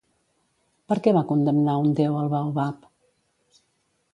Per què va condemnar un déu al baobab?